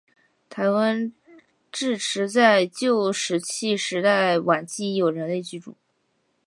台湾至迟在旧石器时代晚期已有人类居住。